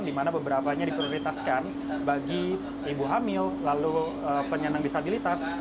di mana beberapanya diprioritaskan bagi ibu hamil lalu penyandang disabilitas